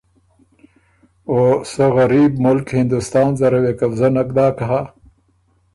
او سۀ غریب ملک هندوستان زره وې قبضۀ نک داک هۀ؟